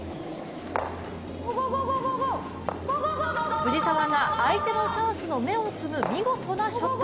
藤澤が相手のチャンスの芽を摘む見事なショット。